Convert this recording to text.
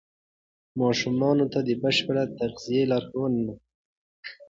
ماشومانو ته د بشپړې تغذیې لارې وښایئ.